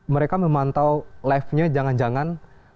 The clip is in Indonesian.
mereka memantau live nya jangan jangan